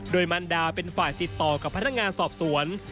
โดยมันดาเป็นฝ่ายติดต่อกับพนักงานสอบสวน